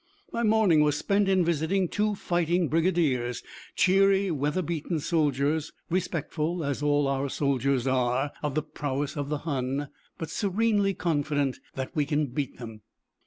My morning was spent in visiting two fighting brigadiers, cheery weather beaten soldiers, respectful, as all our soldiers are, of the prowess of the Hun, but serenely confident that we can beat him.